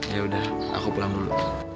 yaudah aku pulang dulu